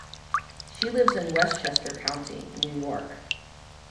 She lives in Westchester County, New York.